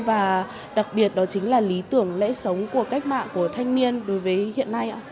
và đặc biệt đó chính là lý tưởng lễ sống của cách mạng của thanh niên đối với hiện nay ạ